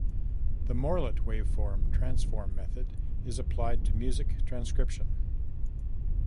The Morlet wavelet transform method is applied to music transcription.